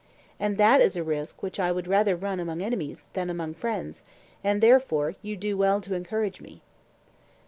And that is a risk which I would rather run among enemies than among friends, and therefore you do well to encourage me.